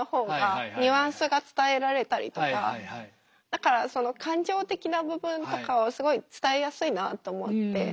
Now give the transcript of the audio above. だからその感情的な部分とかはすごい伝えやすいなと思って。